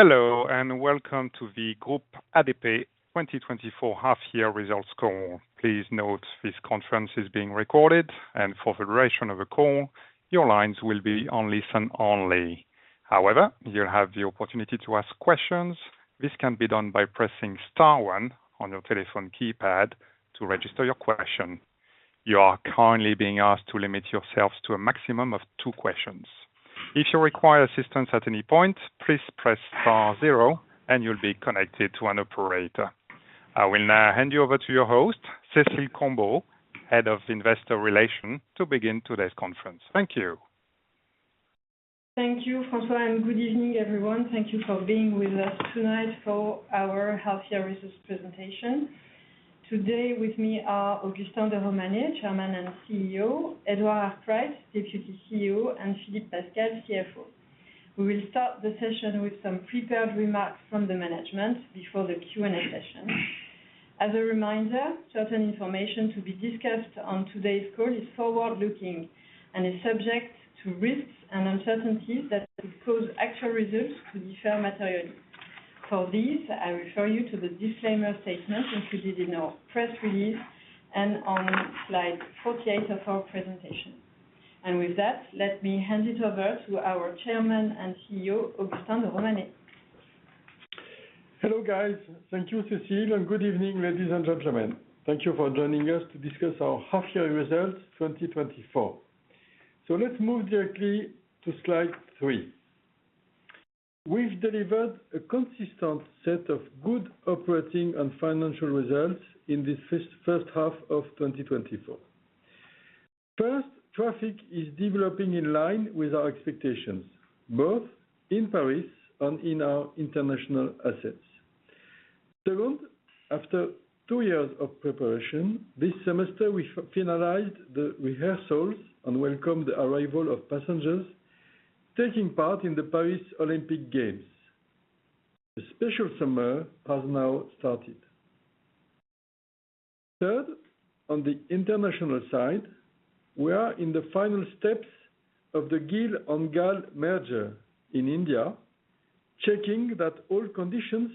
Hello, and welcome to the Groupe ADP 2024 half-year results call. Please note this conference is being recorded, and for the duration of the call, your lines will be on listen only. However, you'll have the opportunity to ask questions. This can be done by pressing star one on your telephone keypad to register your question. You are kindly being asked to limit yourselves to a maximum of two questions. If you require assistance at any point, please press star zero, and you'll be connected to an operator. I will now hand you over to your host, Cécile Combeau, Head of Investor Relations, to begin today's conference. Thank you. Thank you, François, and good evening, everyone. Thank you for being with us tonight for our half-year results presentation. Today, with me are Augustin de Romanet, Chairman and CEO, Edward Arkwright, Deputy CEO, and Philippe Pascal, CFO. We will start the session with some prepared remarks from the management before the Q&A session. As a reminder, certain information to be discussed on today's call is forward-looking and is subject to risks and uncertainties that could cause actual results to differ materially. For this, I refer you to the disclaimer statement included in our press release and on slide 48 of our presentation. With that, let me hand it over to our Chairman and CEO, Augustin de Romanet. Hello, guys. Thank you, Cécile, and good evening, ladies and gentlemen. Thank you for joining us to discuss our half-year results 2024. So let's move directly to slide three. We've delivered a consistent set of good operating and financial results in this first half of 2024. First, traffic is developing in line with our expectations, both in Paris and in our international assets. Second, after two years of preparation, this semester we finalized the rehearsals and welcomed the arrival of passengers taking part in the Paris Olympic Games. A special summer has now started. Third, on the international side, we are in the final steps of the GIL and GAL merger in India, checking that all conditions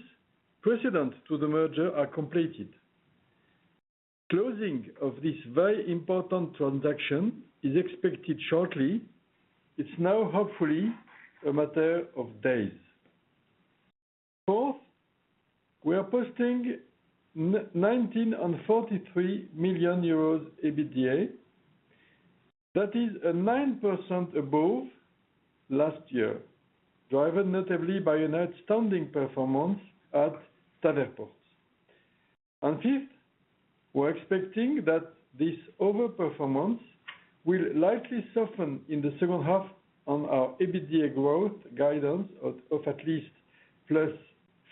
precedent to the merger are completed. Closing of this very important transaction is expected shortly. It's now, hopefully, a matter of days. Fourth, we are posting 19.43 million euros EBITDA. That is 9% above last year, driven notably by an outstanding performance at our airports. Fifth, we're expecting that this overperformance will likely soften in the second half. On our EBITDA growth guidance of at least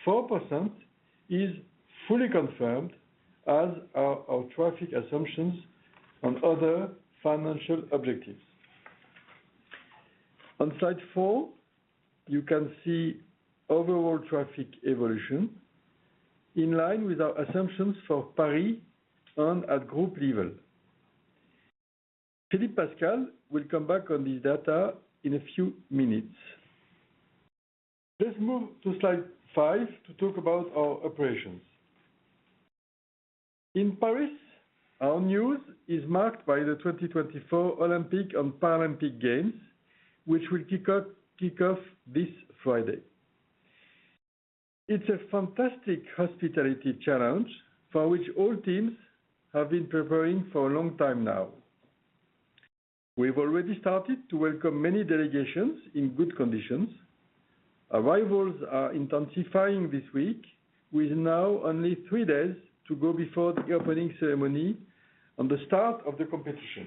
+4%, is fully confirmed as are our traffic assumptions and other financial objectives. On slide four, you can see overall traffic evolution in line with our assumptions for Paris and at group level. Philippe Pascal will come back on these data in a few minutes. Let's move to slide five to talk about our operations. In Paris, our news is marked by the 2024 Olympic and Paralympic Games, which will kick off this Friday. It's a fantastic hospitality challenge for which all teams have been preparing for a long time now. We've already started to welcome many delegations in good conditions. Arrivals are intensifying this week, with now only three days to go before the opening ceremony and the start of the competition.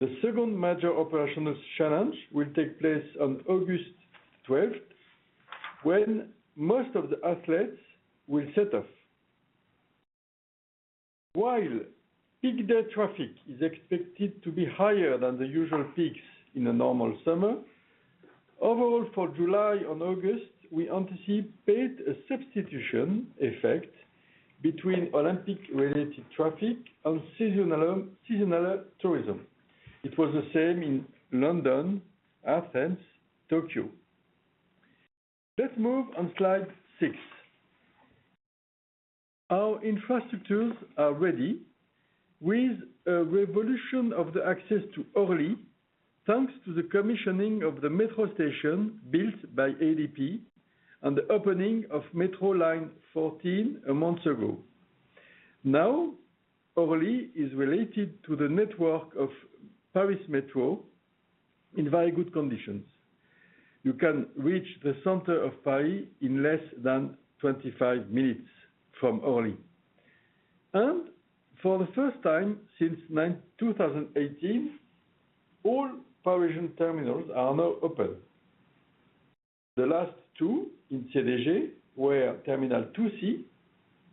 The second major operational challenge will take place on August 12th, when most of the athletes will set off. While peak day traffic is expected to be higher than the usual peaks in a normal summer, overall for July and August, we anticipate a substitution effect between Olympic-related traffic and seasonal tourism. It was the same in London, Athens, and Tokyo. Let's move on slide six. Our infrastructures are ready, with a revolution of the access to Orly, thanks to the commissioning of the metro station built by ADP and the opening of Metro Line 14 a month ago. Now, Orly is related to the network of Paris Métro in very good conditions. You can reach the center of Paris in less than 25 minutes from Orly. For the first time since 2018, all Parisian terminals are now open. The last two in CDG were Terminal 2C,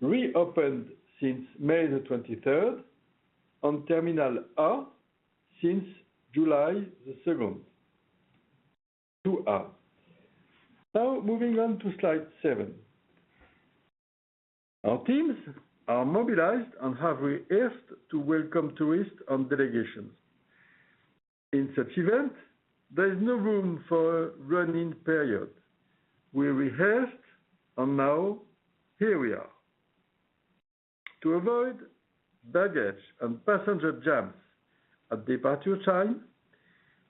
reopened since May 23rd, and Terminal 2A since July 2nd. Now, moving on to slide seven. Our teams are mobilized and have rehearsed to welcome tourists and delegations. In such events, there is no room for a running period. We rehearsed, and now, here we are. To avoid baggage and passenger jams at departure time,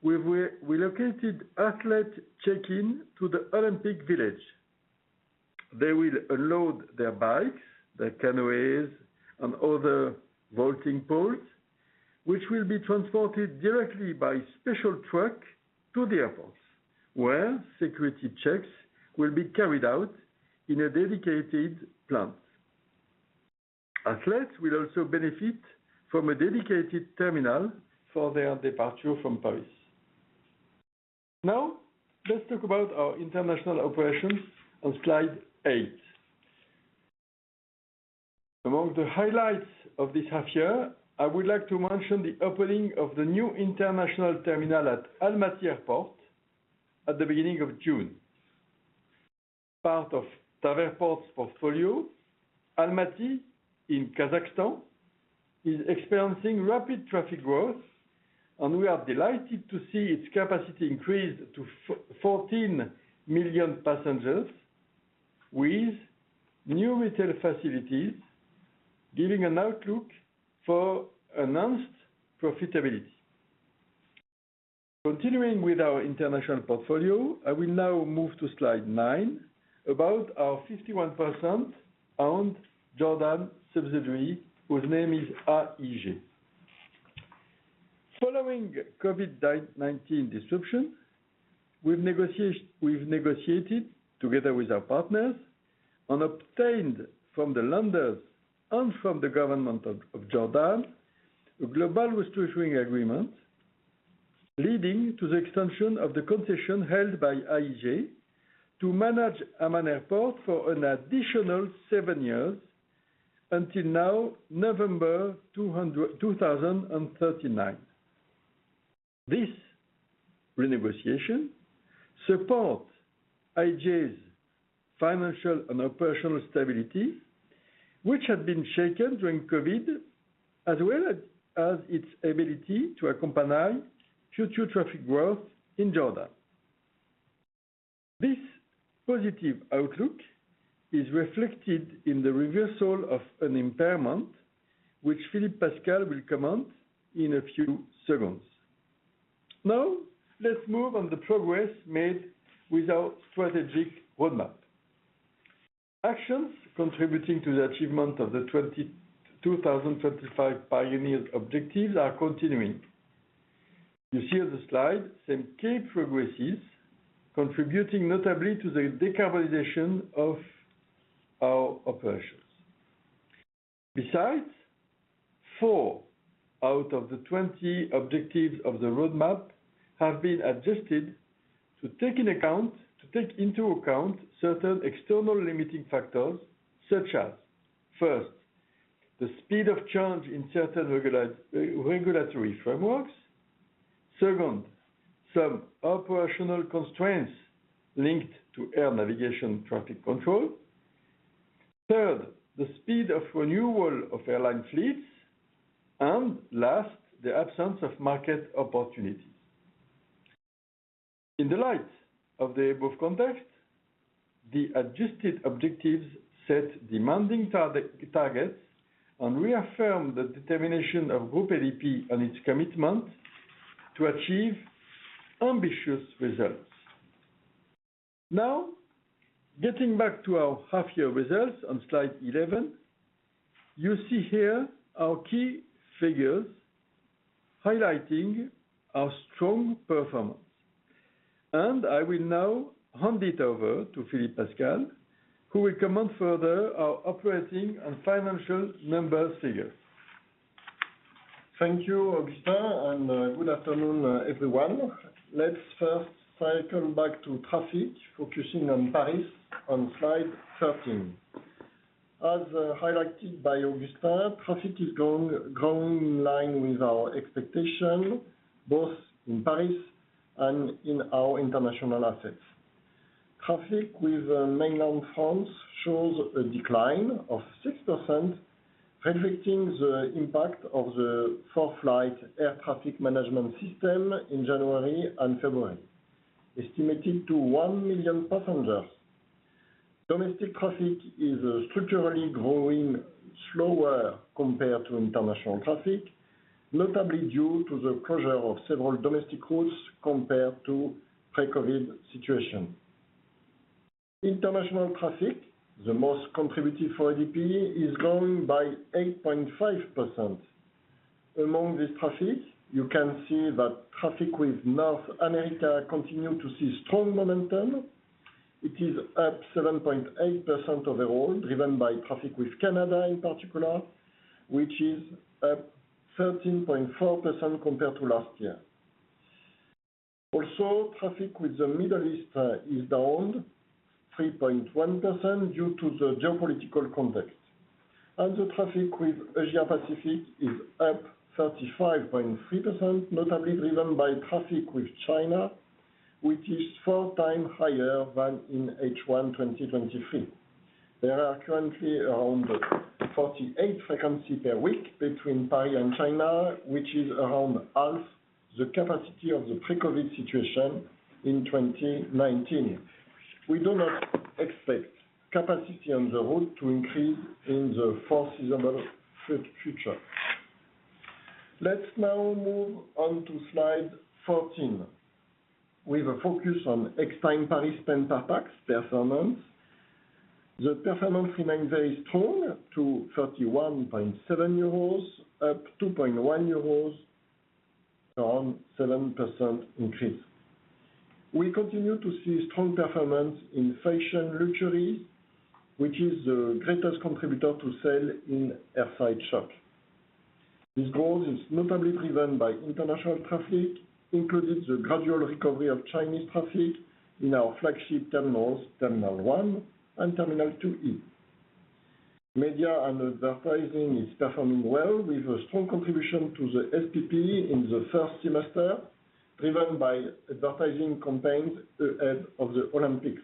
we've relocated athlete check-in to the Olympic Village. They will unload their bikes, their canoes, and other vaulting poles, which will be transported directly by special truck to the airports, where security checks will be carried out in a dedicated plant. Athletes will also benefit from a dedicated terminal for their departure from Paris. Now, let's talk about our international operations on slide eight. Among the highlights of this half-year, I would like to mention the opening of the new international terminal at Almaty Airport at the beginning of June. Part of TAV Airports' portfolio, Almaty in Kazakhstan, is experiencing rapid traffic growth, and we are delighted to see its capacity increased to 14 million passengers, with new retail facilities giving an outlook for announced profitability. Continuing with our international portfolio, I will now move to slide nine about our 51% owned Jordan subsidiary, whose name is AIG. Following COVID-19 disruption, we've negotiated together with our partners and obtained from the lenders and from the government of Jordan a global restructuring agreement, leading to the extension of the concession held by AIG to manage Amman Airport for an additional seven years until now, November 2039. This renegotiation supports AIG's financial and operational stability, which had been shaken during COVID, as well as its ability to accompany future traffic growth in Jordan. This positive outlook is reflected in the reversal of an impairment, which Philippe Pascal will comment on in a few seconds. Now, let's move on the progress made with our strategic roadmap. Actions contributing to the achievement of the 2025 Pioneers objectives are continuing. You see on the slide some key progresses contributing notably to the decarbonization of our operations. Besides, four out of the 20 objectives of the roadmap have been adjusted to take into account certain external limiting factors, such as, first, the speed of change in certain regulatory frameworks; second, some operational constraints linked to air navigation traffic control; third, the speed of renewal of airline fleets; and last, the absence of market opportunities. In the light of the above context, the adjusted objectives set demanding targets and reaffirm the determination of Groupe ADP and its commitment to achieve ambitious results. Now, getting back to our half-year results on slide 11, you see here our key figures highlighting our strong performance. I will now hand it over to Philippe Pascal, who will comment further on our operating and financial numbers figures. Thank you, Augustin, and good afternoon, everyone. Let's first cycle back to traffic, focusing on Paris on slide 13. As highlighted by Augustin, traffic is growing in line with our expectation, both in Paris and in our international assets. Traffic with mainland France shows a decline of 6%, reflecting the impact of the 4-FLIGHT air traffic management system in January and February, estimated to 1 million passengers. Domestic traffic is structurally growing slower compared to international traffic, notably due to the closure of several domestic routes compared to the pre-COVID situation. International traffic, the most contributing for ADP, is growing by 8.5%. Among this traffic, you can see that traffic with North America continues to see strong momentum. It is up 7.8% overall, driven by traffic with Canada in particular, which is up 13.4% compared to last year. Also, traffic with the Middle East is down 3.1% due to the geopolitical context. The traffic with Asia-Pacific is up 35.3%, notably driven by traffic with China, which is four times higher than in H1 2023. There are currently around 48 frequencies per week between Paris and China, which is around half the capacity of the pre-COVID situation in 2019. We do not expect capacity on the route to increase in the foreseeable future. Let's now move on to slide 14, with a focus on Extime Paris Spend Per Pax performance. The performance remains very strong to 31.7 euros, up 2.1 euros, around 7% increase. We continue to see strong performance in fashion luxuries, which is the greatest contributor to sales in airside shop. This growth is notably driven by international traffic, including the gradual recovery of Chinese traffic in our flagship terminals, Terminal 1 and Terminal 2E. Media and advertising is performing well, with a strong contribution to the SPP in the first semester, driven by advertising campaigns ahead of the Olympics.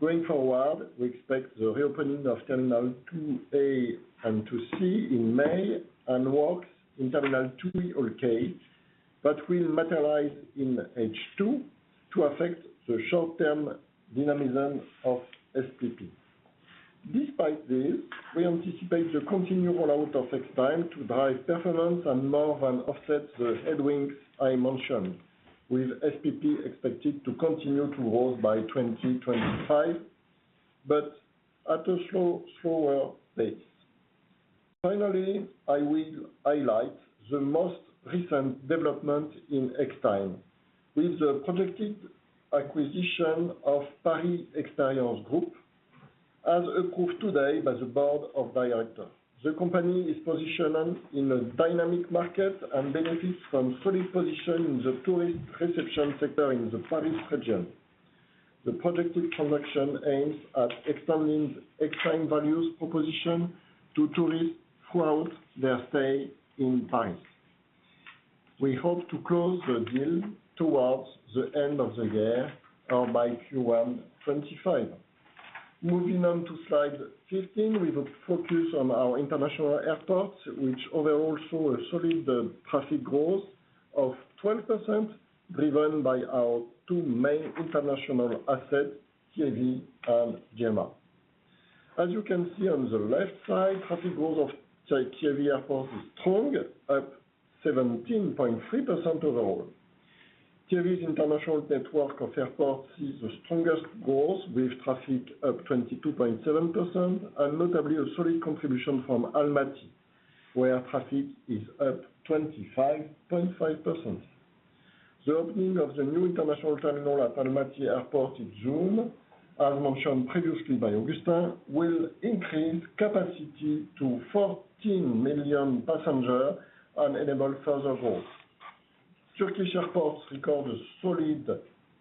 Going forward, we expect the reopening of Terminal 2A and 2C in May and works in Terminal 2E Hall K, but will materialize in H2 to affect the short-term dynamism of SPP. Despite this, we anticipate the continued rollout of Extime to drive performance and more than offset the headwinds I mentioned, with SPP expected to continue to grow by 2025, but at a slower pace. Finally, I will highlight the most recent development in Extime, with the projected acquisition of Paris Experience Group, as approved today by the board of directors. The company is positioned in a dynamic market and benefits from a solid position in the tourist reception sector in the Paris region. The projected transaction aims at extending Extime value proposition to tourists throughout their stay in Paris. We hope to close the deal towards the end of the year or by Q1 2025. Moving on to slide 15, we will focus on our international airports, which overall show a solid traffic growth of 12%, driven by our two main international assets, TAV and GMR. As you can see on the left side, traffic growth of TAV Airports is strong, up 17.3% overall. TAV's international network of airports is the strongest growth, with traffic up 22.7%, and notably a solid contribution from Almaty, where traffic is up 25.5%. The opening of the new international terminal at Almaty Airport in June, as mentioned previously by Augustin, will increase capacity to 14 million passengers and enable further growth. Turkish airports record a solid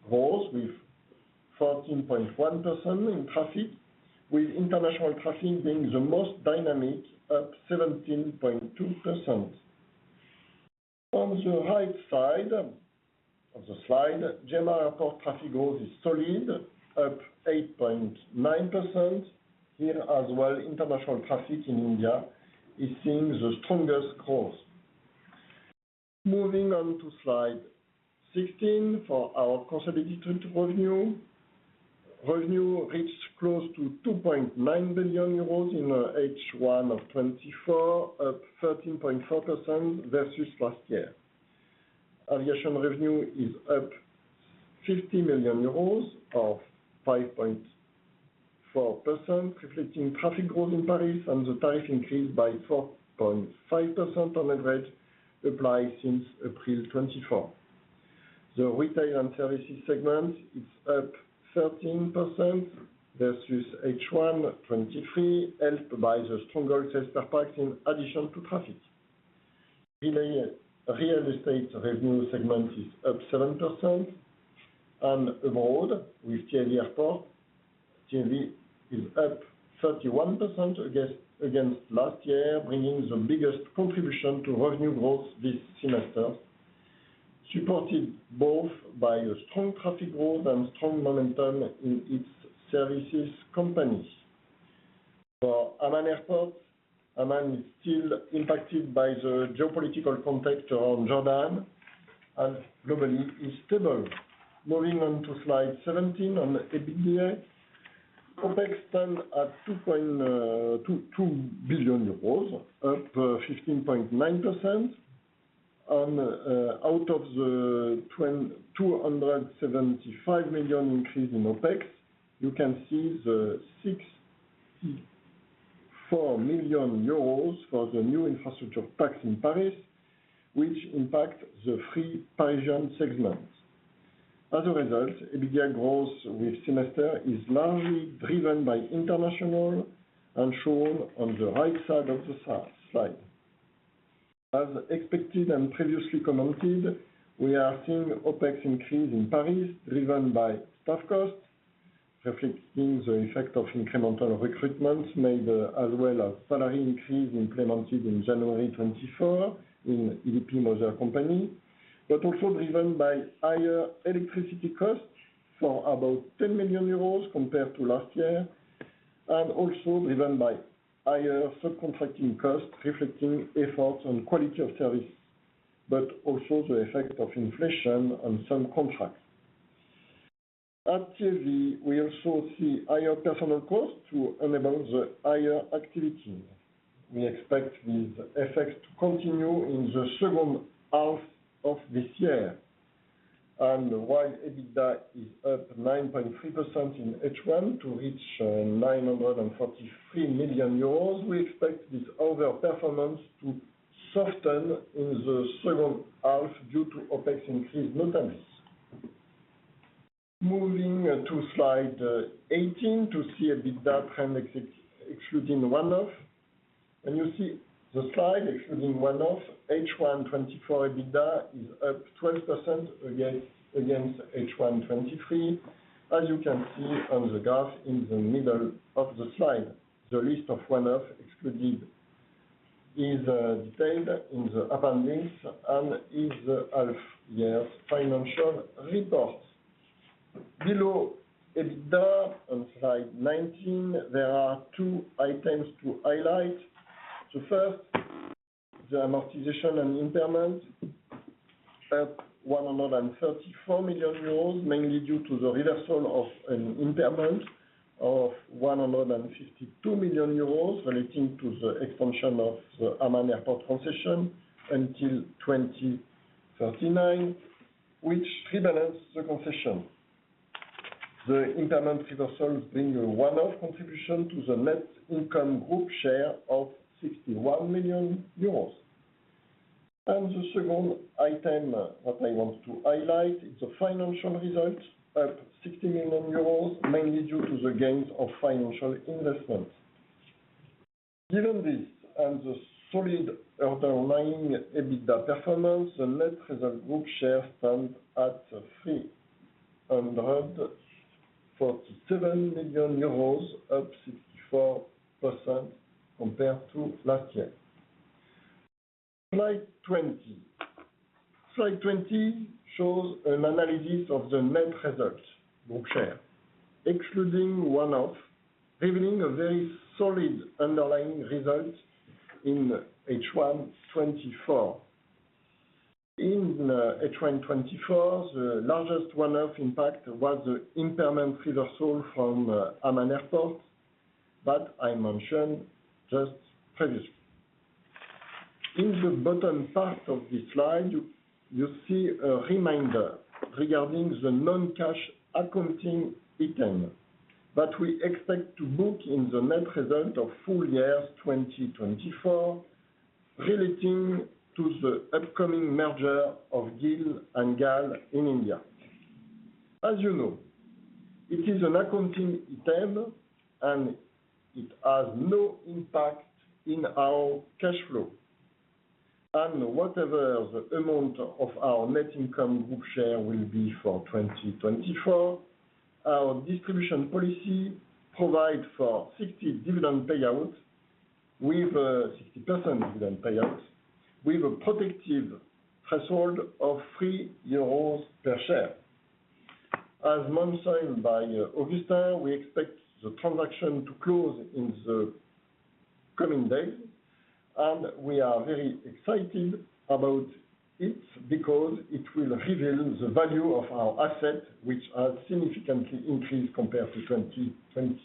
growth with 14.1% in traffic, with international traffic being the most dynamic, up 17.2%. On the right side of the slide, GMR Airport traffic growth is solid, up 8.9%. Here as well, international traffic in India is seeing the strongest growth. Moving on to slide 16 for our consolidated revenue, revenue reached close to 2.9 billion euros in H1 of 2024, up 13.4% versus last year. Aviation revenue is up 50 million euros, up 5.4%, reflecting traffic growth in Paris and the tariff increase by 4.5% on average applied since April 2024. The retail and services segment is up 13% versus H1 2023, helped by the stronger sales per pax in addition to traffic. Real estate revenue segment is up 7%, and abroad with TAV Airports, TAV is up 31% against last year, bringing the biggest contribution to revenue growth this semester, supported both by a strong traffic growth and strong momentum in its services companies. For Amman Airport, Amman is still impacted by the geopolitical context around Jordan and globally is stable. Moving on to slide 17 on EBITDA, OPEX stands at 2 billion euros, up 15.9%, and out of the 275 million increase in OPEX, you can see the 64 million euros for the new infrastructure tax in Paris, which impacts the free Parisian segment. As a result, EBITDA growth with semester is largely driven by international and shown on the right side of the slide. As expected and previously commented, we are seeing OPEX increase in Paris driven by staff costs, reflecting the effect of incremental recruitments made as well as salary increase implemented in January 2024 in ADP's workforce, but also driven by higher electricity costs for about 10 million euros compared to last year, and also driven by higher subcontracting costs reflecting efforts on quality of service, but also the effect of inflation on some contracts. At TAV, we also see higher personnel costs to enable the higher activity. We expect these effects to continue in the second half of this year. And while EBITDA is up 9.3% in H1 to reach 943 million euros, we expect this overall performance to soften in the second half due to OPEX increase notably. Moving to slide 18 to see EBITDA trend excluding one-off. You see the slide excluding one-off, H1 2024 EBITDA is up 12% against H1 2023, as you can see on the graph in the middle of the slide. The list of one-off excluded is detailed in the appendix and in the half-year financial report. Below EBITDA on slide 19, there are two items to highlight. The first, the amortization and impairment, up 134 million euros, mainly due to the reversal of an impairment of 152 million euros relating to the extension of the Amman Airport concession until 2039, which rebalances the concession. The impairment reversals bring a one-off contribution to the net income Group share of 61 million euros. The second item that I want to highlight is the financial result, up 60 million euros, mainly due to the gains of financial investments. Given this and the solid underlying EBITDA performance, the net result group share stands at 347 million euros, up 64% compared to last year. Slide 20. Slide 20 shows an analysis of the net result group share, excluding one-off, revealing a very solid underlying result in H1 2024. In H1 2024, the largest one-off impact was the impairment reversal from Amman Airport that I mentioned just previously. In the bottom part of this slide, you see a reminder regarding the non-cash accounting item that we expect to book in the net result of full year 2024, relating to the upcoming merger of GIL and GAL in India. As you know, it is an accounting item, and it has no impact in our cash flow. Whatever the amount of our net income group share will be for 2024, our distribution policy provides for 60 dividend payouts, with a 60% dividend payout, with a protective threshold of 3 euros per share. As mentioned by Augustin, we expect the transaction to close in the coming days, and we are very excited about it because it will reveal the value of our asset, which has significantly increased compared to 2020.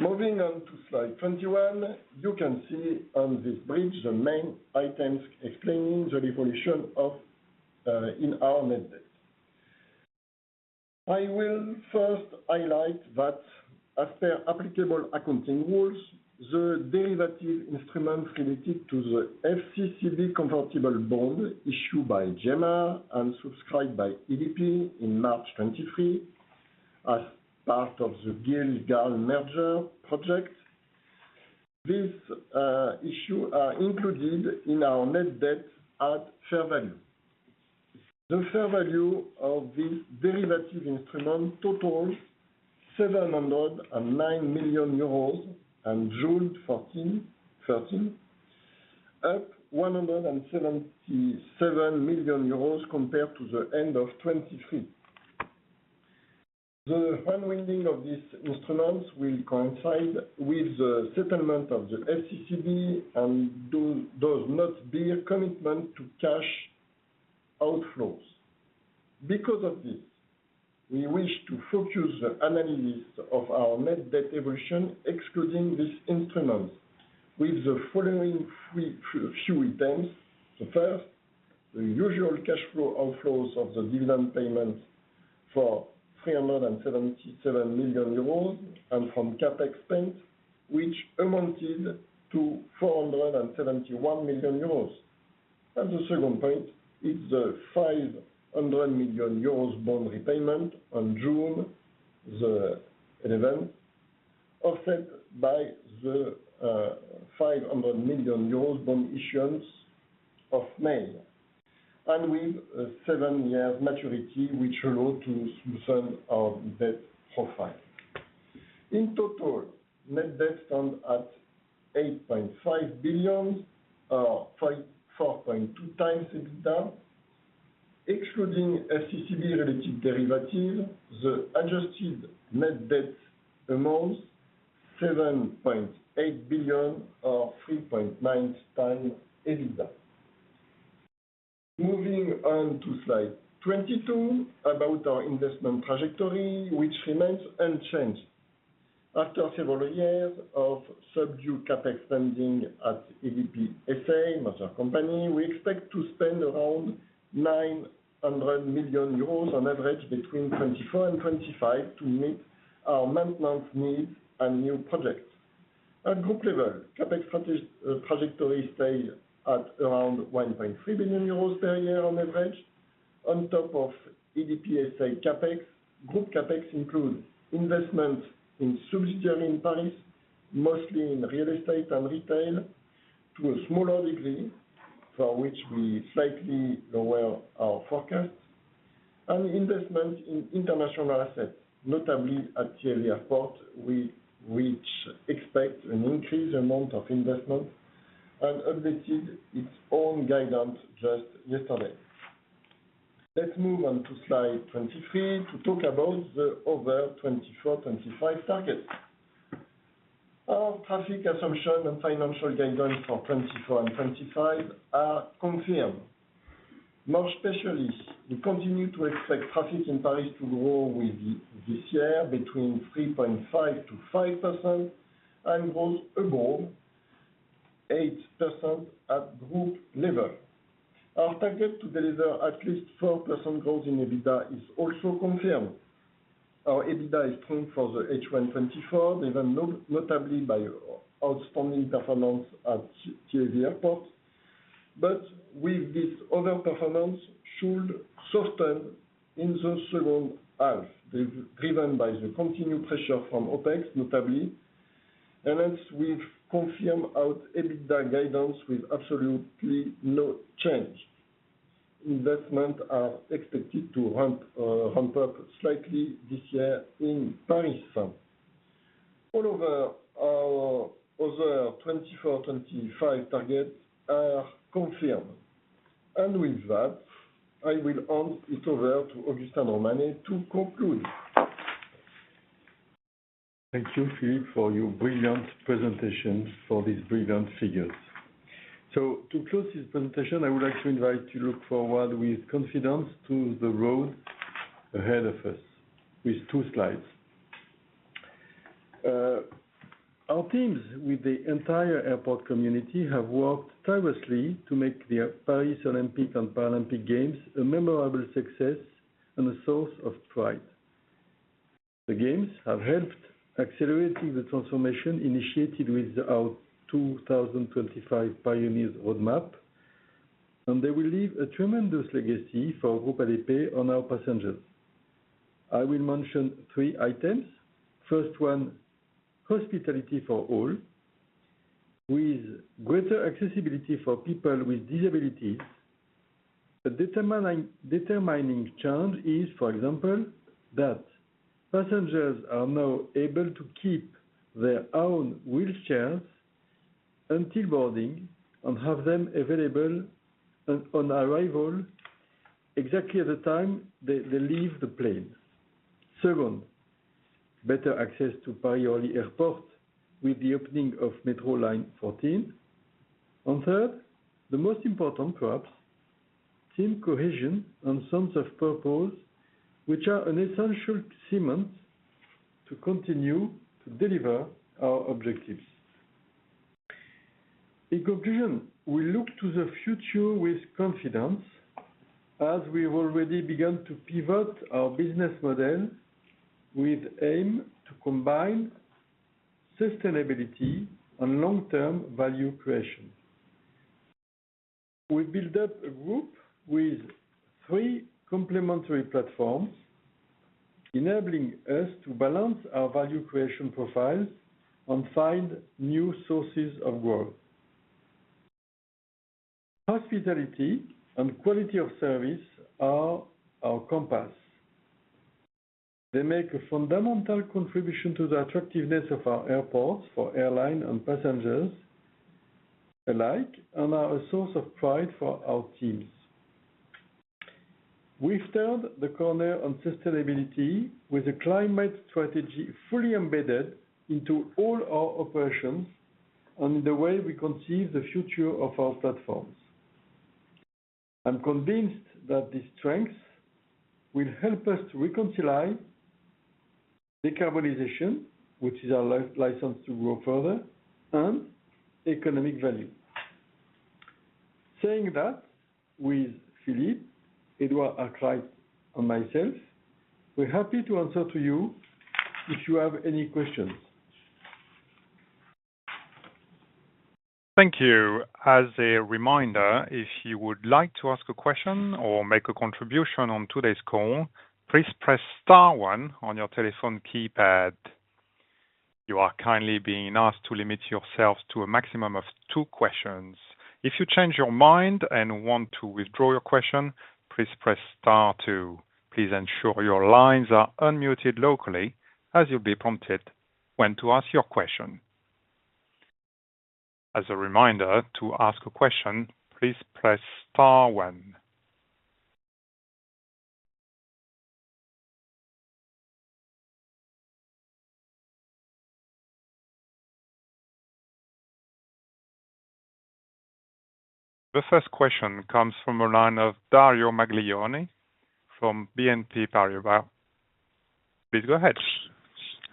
Moving on to slide 21, you can see on this bridge the main items explaining the evolution in our net debt. I will first highlight that, as per applicable accounting rules, the derivative instruments related to the FCCB convertible bond issued by GMR and subscribed by ADP in March 2023 as part of the GIL-GAL merger project, these issues are included in our net debt at fair value. The fair value of this derivative instrument totals 709 million euros on June 2024, up 177 million euros compared to the end of 2023. The maturity of these instruments will coincide with the settlement of the FCCB and those do not bear commitment to cash outflows. Because of this, we wish to focus the analysis of our net debt evolution excluding these instruments with the following few items. The first, the usual cash flow outflows of the dividend payments for 377 million euros and from CapEx spent, which amounted to 471 million euros. The second point is the 500 million euros bond repayment on June 11, offset by the 500 million euros bond issuance of May, and with a seven-year maturity, which allowed to soften our debt profile. In total, net debt stands at 8.5 billion, or 4.2x EBITDA. Excluding FCCB-related derivatives, the adjusted net debt amounts to EUR 7.8 billion, or 3.9x EBITDA. Moving on to slide 22 about our investment trajectory, which remains unchanged. After several years of subdued CapEx spending at ADP SA, we expect to spend around 900 million euros on average between 2024 and 2025 to meet our maintenance needs and new projects. At group level, CapEx trajectory stays at around 1.3 billion euros per year on average. On top of ADP SA CapEx, group CapEx includes investments in subsidiaries in Paris, mostly in real estate and retail, to a smaller degree, for which we slightly lower our forecasts, and investments in international assets, notably at TAV Airports, which expect an increased amount of investment and updated its own guidance just yesterday. Let's move on to slide 23 to talk about the over 2024 and 2025 targets. Our traffic assumption and financial guidelines for 2024 and 2025 are confirmed. More specifically, we continue to expect traffic in Paris to grow this year between 3.5%-5% and growth above 8% at group level. Our target to deliver at least 4% growth in EBITDA is also confirmed. Our EBITDA is strong for the H1 2024, driven notably by outstanding performance at TAV Airports. But with this overperformance should soften in the second half, driven by the continued pressure from OPEX, notably. As we've confirmed our EBITDA guidance with absolutely no change, investments are expected to ramp up slightly this year in Paris. All of our other 2024-2025 targets are confirmed. With that, I will hand it over to Augustin de Romanet to conclude. Thank you, Philippe, for your brilliant presentation, for these brilliant figures. So, to close this presentation, I would like to invite you to look forward with confidence to the road ahead of us with two slides. Our teams with the entire airport community have worked tirelessly to make the Paris Olympic and Paralympic Games a memorable success and a source of pride. The games have helped accelerate the transformation initiated with our 2025 Pioneers Roadmap, and they will leave a tremendous legacy for Groupe ADP on our passengers. I will mention 3 items. First one, hospitality for all, with greater accessibility for people with disabilities. A determining change is, for example, that passengers are now able to keep their own wheelchairs until boarding and have them available on arrival exactly at the time they leave the plane. Second, better access to Paris Airport with the opening of Metro Line 14. And third, the most important, perhaps, team cohesion and sense of purpose, which are an essential cement to continue to deliver our objectives. In conclusion, we look to the future with confidence as we have already begun to pivot our business model with the aim to combine sustainability and long-term value creation. We build up a group with three complementary platforms, enabling us to balance our value creation profiles and find new sources of growth. Hospitality and quality of service are our compass. They make a fundamental contribution to the attractiveness of our airports for airline and passengers alike and are a source of pride for our teams. We've turned the corner on sustainability with a climate strategy fully embedded into all our operations and in the way we conceive the future of our platforms. I'm convinced that these strengths will help us to reconcile decarbonization, which is our license to grow further, and economic value. Saying that, with Philippe, Edward Arkwright, and myself, we're happy to answer to you if you have any questions. Thank you. As a reminder, if you would like to ask a question or make a contribution on today's call, please press star one on your telephone keypad. You are kindly being asked to limit yourself to a maximum of two questions. If you change your mind and want to withdraw your question, please press star two. Please ensure your lines are unmuted locally as you'll be prompted when to ask your question. As a reminder, to ask a question, please press star one. The first question comes from a line of Dario Maglione from BNP Paribas. Please go ahead.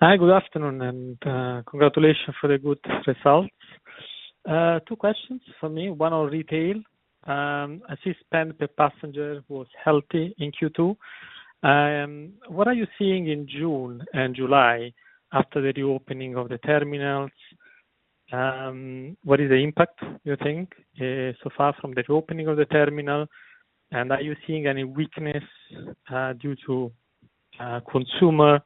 Hi, good afternoon, and congratulations for the good results. Two questions for me. One on retail. I see spend per passenger was healthy in Q2. What are you seeing in June and July after the reopening of the terminals? What is the impact, you think, so far from the reopening of the terminal? And are you seeing any weakness due to consumers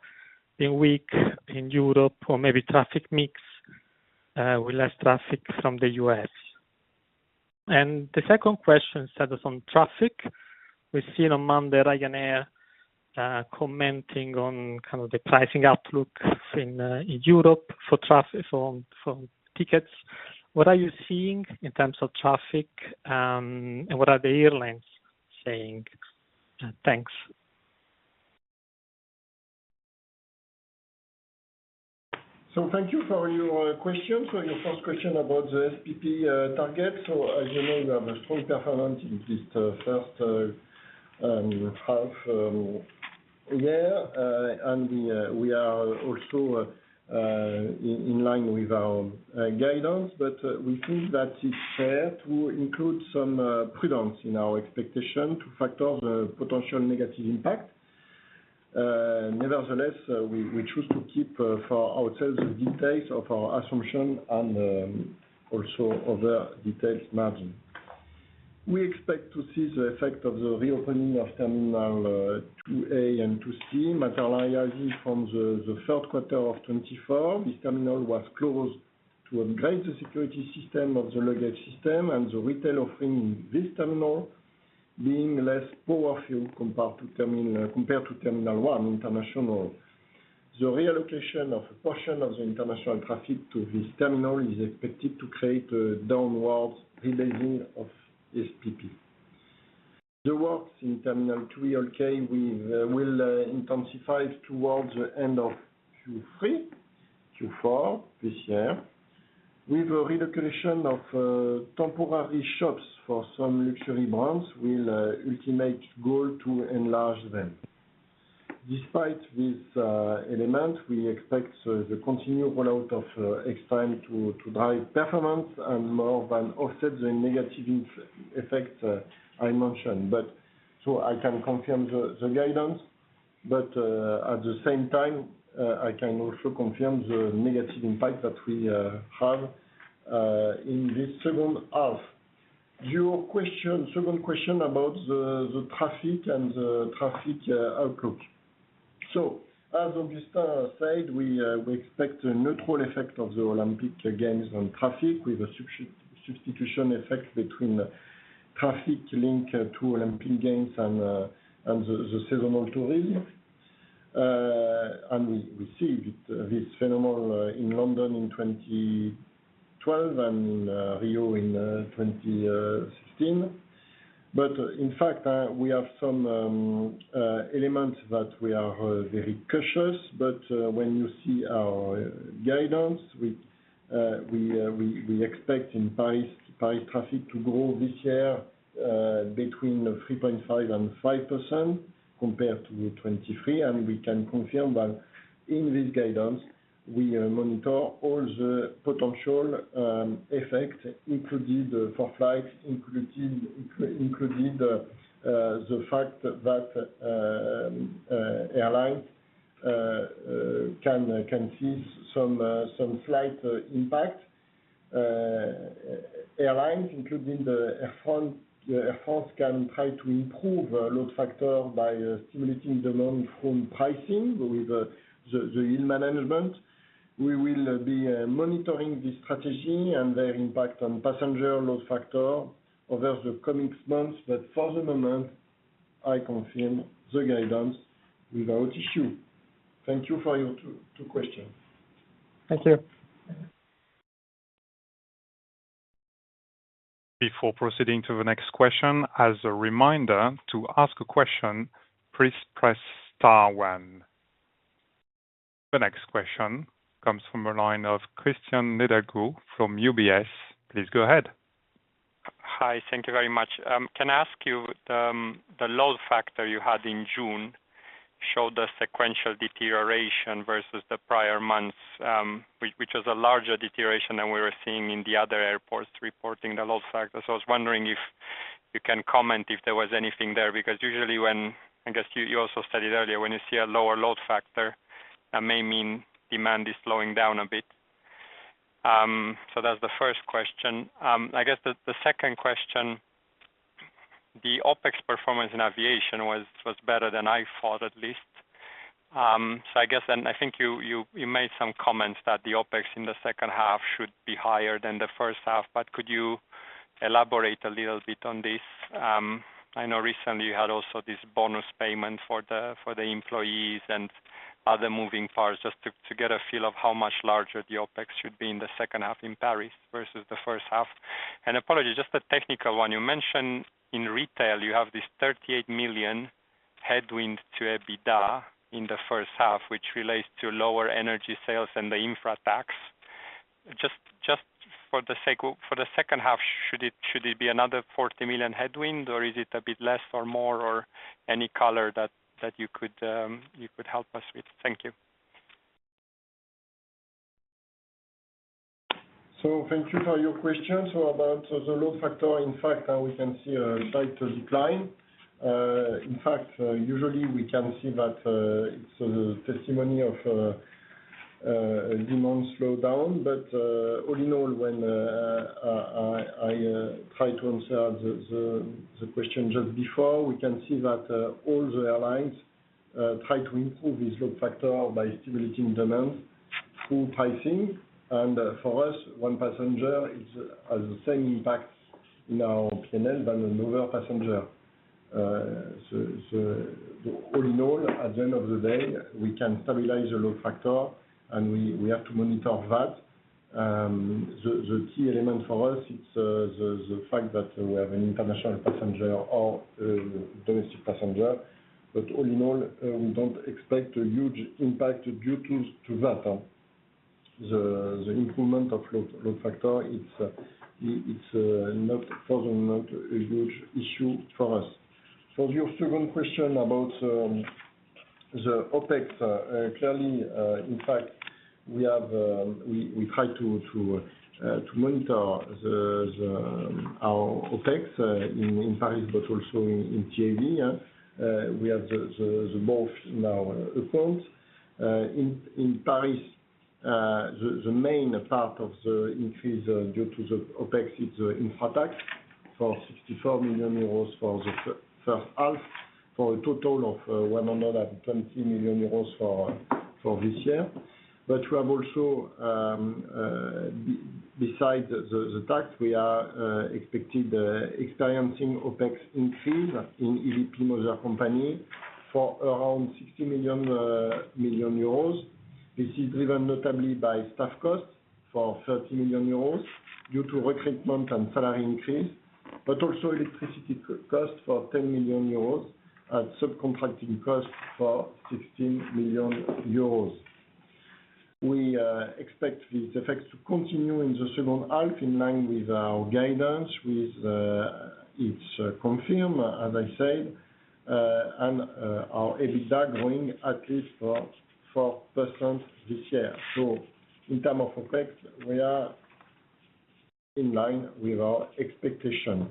being weak in Europe or maybe traffic mix with less traffic from the U.S.? And the second question centers on traffic. We've seen on Monday Ryanair commenting on kind of the pricing outlook in Europe for tickets. What are you seeing in terms of traffic, and what are the airlines saying? Thanks. So thank you for your questions, for your first question about the SPP targets. As you know, we have a strong performance in this first half year, and we are also in line with our guidance, but we think that it's fair to include some prudence in our expectation to factor the potential negative impact. Nevertheless, we choose to keep for ourselves the details of our assumption and also other details margin. We expect to see the effect of the reopening of Terminal 2A and 2C, materially, from the third quarter of 2024. This terminal was closed to upgrade the security system of the luggage system and the retail offering in this terminal being less powerful compared to Terminal 1, international. The reallocation of a portion of the international traffic to this terminal is expected to create a downward rebasing of SPP. The works in Terminal 2E Hall K will intensify towards the end of Q3, Q4 this year, with a relocation of temporary shops for some luxury brands with an ultimate goal to enlarge them. Despite these elements, we expect the continued rollout of Extime to drive performance and more than offset the negative effects I mentioned. So I can confirm the guidance, but at the same time, I can also confirm the negative impact that we have in this second half. Your second question about the traffic and the traffic outlook. So as Augustin said, we expect a neutral effect of the Olympic Games on traffic with a substitution effect between traffic linked to Olympic Games and the seasonal tourism. And we see this phenomenon in London in 2012 and in Rio in 2016. But in fact, we have some elements that we are very cautious, but when you see our guidance, we expect in Paris traffic to grow this year between 3.5%-5% compared to 2023. And we can confirm that in this guidance, we monitor all the potential effects, including the 4-FLIGHT, including the fact that airlines can see some slight impact. Airlines, including Air France, can try to improve load factor by stimulating demand from pricing with the yield management. We will be monitoring this strategy and their impact on passenger load factor over the coming months, but for the moment, I confirm the guidance without issue. Thank you for your two questions. Thank you. Before proceeding to the next question, as a reminder to ask a question, please press Star 1. The next question comes from a line of Cristian Nedelcu from UBS. Please go ahead. Hi, thank you very much. Can I ask you the load factor you had in June showed a sequential deterioration versus the prior months, which was a larger deterioration than we were seeing in the other airports reporting the load factor. So I was wondering if you can comment if there was anything there, because usually when, I guess you also said it earlier, when you see a lower load factor, that may mean demand is slowing down a bit. So that's the first question. I guess the second question, the OPEX performance in aviation was better than I thought, at least. So I guess, and I think you made some comments that the OPEX in the second half should be higher than the first half, but could you elaborate a little bit on this? I know recently you had also this bonus payment for the employees and other moving parts just to get a feel of how much larger the OPEX should be in the second half in Paris versus the first half. And apologies, just a technical one. You mentioned in retail you have this 38 million headwind to EBITDA in the first half, which relates to lower energy sales and the infra tax. Just for the second half, should it be another 40 million headwind, or is it a bit less or more, or any color that you could help us with? Thank you. So thank you for your question. So about the load factor, in fact, we can see a slight decline. In fact, usually we can see that it's a testimony of demand slowdown, but all in all, when I try to answer the question just before, we can see that all the airlines try to improve this load factor by stimulating demand through pricing. And for us, one passenger has the same impact in our P&L than another passenger. So all in all, at the end of the day, we can stabilize the load factor, and we have to monitor that. The key element for us, it's the fact that we have an international passenger or a domestic passenger. But all in all, we don't expect a huge impact due to that. The improvement of load factor, it's not, for the moment, a huge issue for us. For your second question about the OPEX, clearly, in fact, we try to monitor our OPEX in Paris, but also in TAV. We have both now accounts. In Paris, the main part of the increase due to the OPEX is the infra tax for 64 million euros for the first half, for a total of 120 million euros for this year. But we have also, besides the tax, we are expected to experience an OPEX increase in ADP Mother Company for around 60 million euros. This is driven notably by staff costs for 30 million euros due to recruitment and salary increase, but also electricity costs for 10 million euros and subcontracting costs for 16 million euros. We expect these effects to continue in the second half in line with our guidance, with its confirm, as I said, and our EBITDA growing at least 4% this year. So in terms of OPEX, we are in line with our expectation.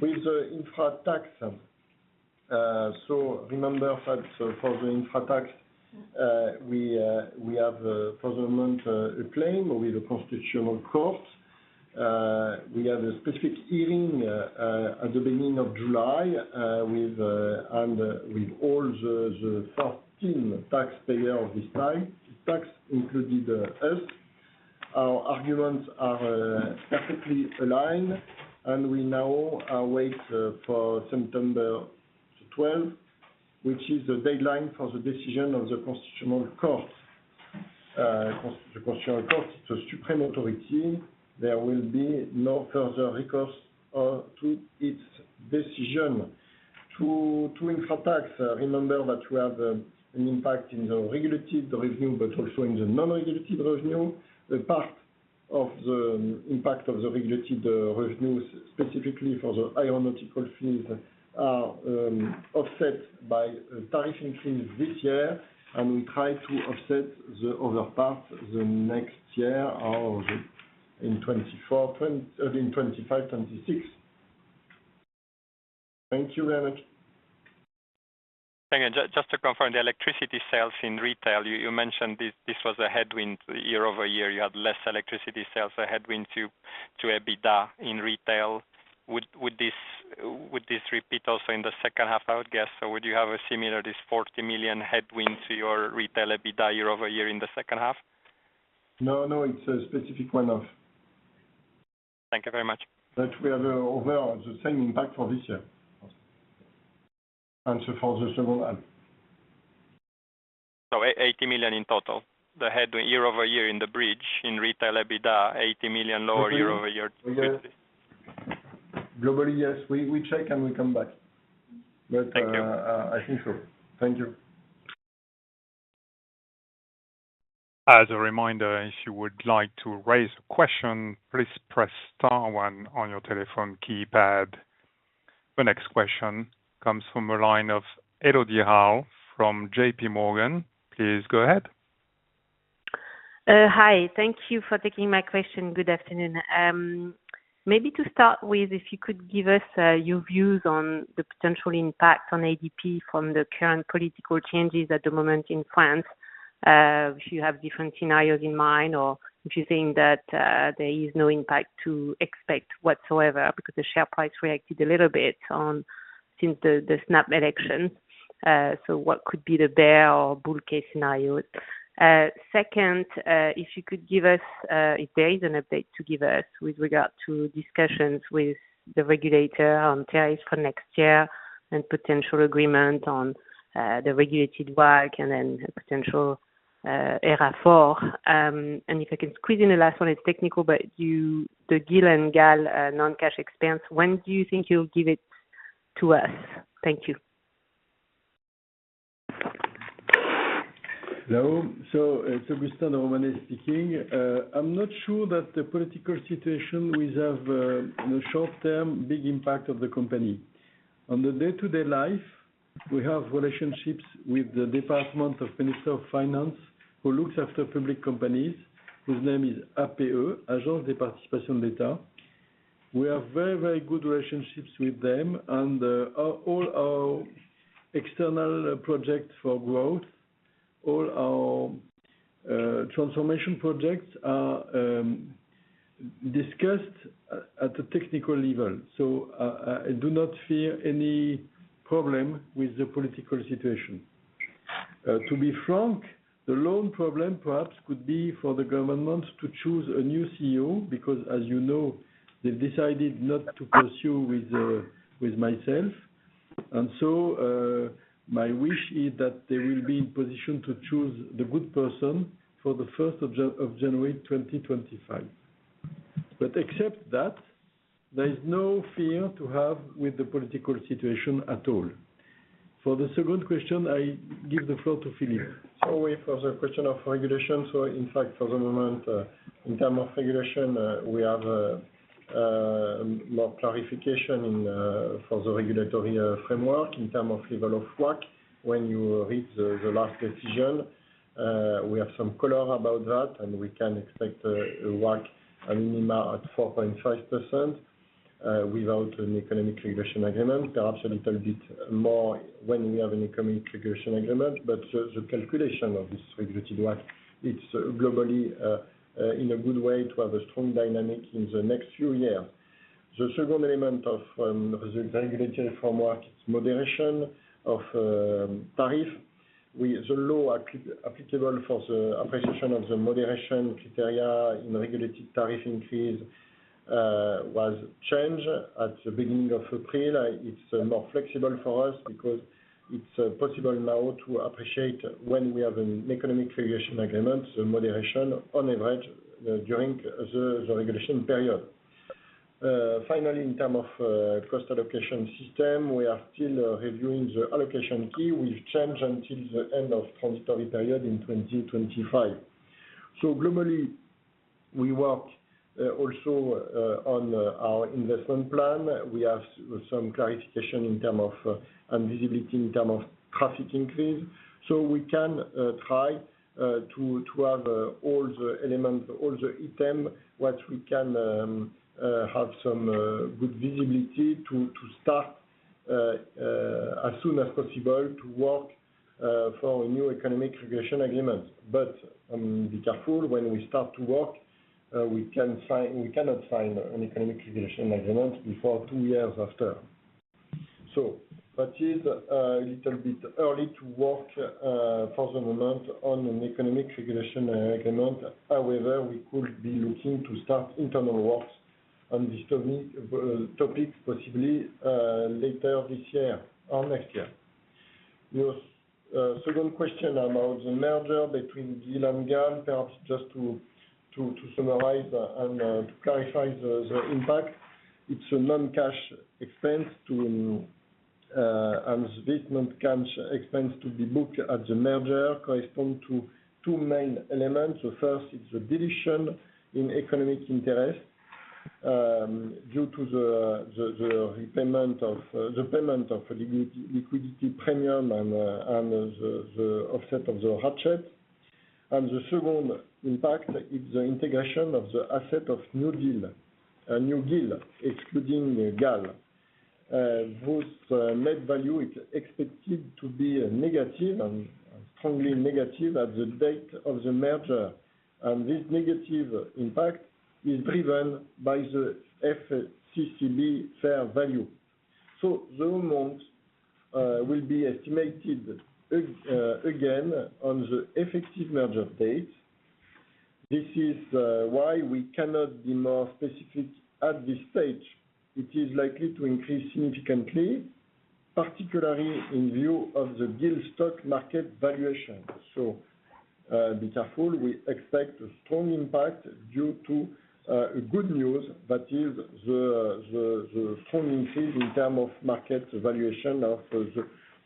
With the infra tax, so remember that for the infra tax, we have, for the moment, a claim with the Constitutional Court. We have a specific hearing at the beginning of July with all the 14 taxpayers of this tax, including us. Our arguments are perfectly aligned, and we now await for September 12, which is the deadline for the decision of the Constitutional Court. The Constitutional Court is the supreme authority. There will be no further recourse to its decision. To infra tax, remember that we have an impact in the regulated revenue, but also in the non-regulated revenue. The part of the impact of the regulated revenue, specifically for the aeronautical fees, are offset by tariff increases this year, and we try to offset the other part the next year in 2025-2026. Thank you very much. Thank you. Just to confirm, the electricity sales in retail, you mentioned this was a headwind year-over-year. You had less electricity sales, a headwind to EBITDA in retail. Would this repeat also in the second half, I would guess? So would you have a similar 40 million headwind to your retail EBITDA year-over-year in the second half? No, no. It's a specific one-off. Thank you very much. But we have overall the same impact for this year and for the second half. So 80 million in total, the headwind year-over-year in the bridge in retail EBITDA, 80 million lower year-over-year. Globally, yes. We check and we come back. But I think so. Thank you. As a reminder, if you would like to raise a question, please press Star 1 on your telephone keypad. The next question comes from a line of Élodie Rall from J.P. Morgan. Please go ahead. Hi. Thank you for taking my question. Good afternoon. Maybe to start with, if you could give us your views on the potential impact on ADP from the current political changes at the moment in France, if you have different scenarios in mind, or if you think that there is no impact to expect whatsoever because the share price reacted a little bit since the snap election. So what could be the bear or bull case scenario? Second, if you could give us, if there is an update to give us with regard to discussions with the regulator on tariffs for next year and potential agreement on the regulated work and then potential ERA4. And if I can squeeze in the last one, it's technical, but the GIL–GAL non-cash expense, when do you think you'll give it to us? Thank you. Hello. So it's Augustin de Romanet speaking. I'm not sure that the political situation will have in the short term big impact on the company. On the day-to-day life, we have relationships with the Department of Minister of Finance, who looks after public companies, whose name is APE, Agence des participations de l’État. We have very, very good relationships with them, and all our external projects for growth, all our transformation projects are discussed at a technical level. So I do not fear any problem with the political situation. To be frank, the loan problem perhaps could be for the government to choose a new CEO because, as you know, they've decided not to pursue with myself. So my wish is that they will be in position to choose the good person for the 1st of January 2025. But except that, there is no fear to have with the political situation at all. For the second question, I give the floor to Philippe. So, with the question of regulation. So in fact, for the moment, in terms of regulation, we have more clarification for the regulatory framework in terms of level of WACC. When you read the last decision, we have some color about that, and we can expect a WACC minimum at 4.5% without an economic regulation agreement, perhaps a little bit more when we have an economic regulation agreement. But the calculation of this regulated WACC, it's globally in a good way to have a strong dynamic in the next few years. The second element of regulatory framework, it's moderation of tariff. The law applicable for the application of the moderation criteria in regulated tariff increase was changed at the beginning of April. It's more flexible for us because it's possible now to appreciate when we have an economic regulation agreement, the moderation on average during the regulation period. Finally, in terms of cost allocation system, we are still reviewing the allocation key. We've changed until the end of the transitory period in 2025. So globally, we work also on our investment plan. We have some clarification in terms of and visibility in terms of traffic increase. So we can try to have all the elements, all the items, once we can have some good visibility to start as soon as possible to work for a new economic regulation agreement. But be careful when we start to work, we cannot sign an economic regulation agreement before two years after. So that is a little bit early to work for the moment on an economic regulation agreement. However, we could be looking to start internal works on these topics, possibly later this year or next year. Your second question about the merger between GIL and GAL, perhaps just to summarize and to clarify the impact, it's a non-cash expense to, and this non-cash expense to be booked at the merger corresponds to two main elements. The first is the deletion in economic interest due to the repayment of the payment of liquidity premium and the offset of the ratchet. And the second impact is the integration of the asset of new GIL, excluding GAL. Both net value is expected to be negative, strongly negative at the date of the merger. And this negative impact is driven by the FCCB fair value. So the amount will be estimated again on the effective merger date. This is why we cannot be more specific at this stage. It is likely to increase significantly, particularly in view of the GIL stock market valuation. So be careful. We expect a strong impact due to good news that is the strong increase in terms of market valuation of